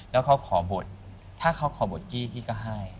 แล้วเขาขอบทถ้าเขาขอบทกี้พี่ก็ให้